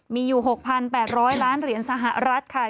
มีอยู่๖๘๐๐ล้านเหรียญสหรัฐค่ะ